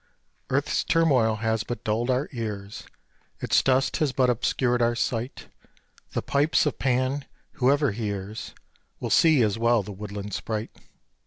Earths turmoil has but dulled our ears, Its dust has but obscured our sight. The pipes of Pan whoever hears Will see as well the woodland sprite.